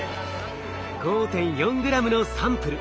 ５．４グラムのサンプル